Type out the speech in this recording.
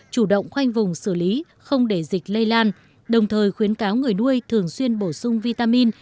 chủ động khoanh vùng xử lý không để dịch lây lan đồng thời khuyến cáo người nuôi thường xuyên bổ sung vitamin